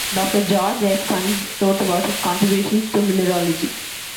Doctor George F. Kunz wrote about his contributions to mineralogy.